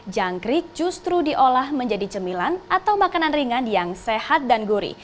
jangkrik justru diolah menjadi cemilan atau makanan ringan yang sehat dan gurih